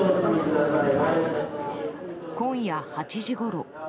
今夜８時ごろ。